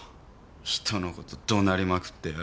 人の事怒鳴りまくってよ。